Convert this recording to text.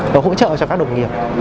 hỗ trợ cho các đồng nghiệp